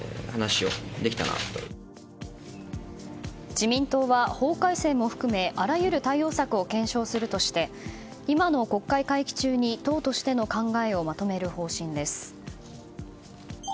自民党は法改正も含めあらゆる対応策も検証するとして今の国会会期中に党としての考えをまとめる方針です。